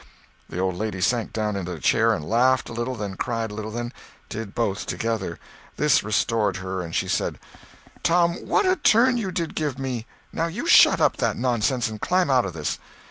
The old lady sank down into a chair and laughed a little, then cried a little, then did both together. This restored her and she said: "Tom, what a turn you did give me. Now you shut up that nonsense and climb out of this."